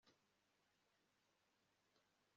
kugeza ubwo tuzongera kubonana